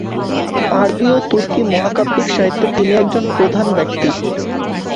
আরবি ও তুর্কি মহাকাব্যিক সাহিত্যে তিনি একজন প্রধান ব্যক্তি।